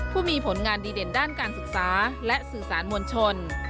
ผู้มีผลงานดีเด่นด้านการศึกษาและสื่อสารมวลชน